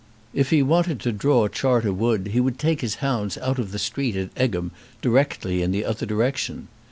If he wanted to draw Charter Wood he would take his hounds out of the street at Egham directly in the other direction.